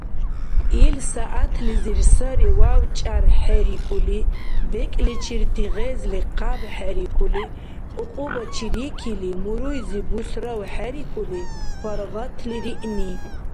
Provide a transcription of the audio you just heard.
Ил сягӀятлизир сари вяв-чӀярхӀерикӀули, бекӀличирти гъезли къябхӀерикӀули, кьукьубачи рикили муруйзи бусравхӀерикӀули, паргъатли риъни.